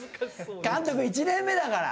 監督１年目だから。